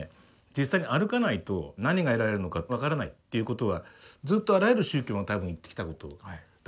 実際に歩かないと何が得られるのか分からないっていうことはずっとあらゆる宗教も多分言ってきたことだと思いますね。